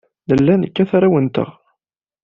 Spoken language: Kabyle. Nella nekkat arraw-nteɣ.